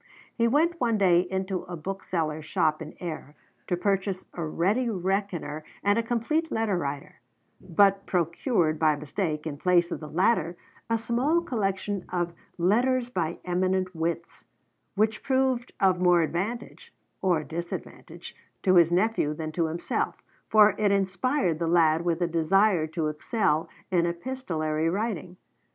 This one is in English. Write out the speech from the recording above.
He went one day into a bookseller's shop in Ayr to purchase a Ready Reckoner and a Complete Letter Writer, but procured by mistake in place of the latter a small collection of 'Letters by Eminent Wits,' which proved of more advantage (or disadvantage) to his nephew than to himself, for it inspired the lad with a desire to excel in epistolary writing.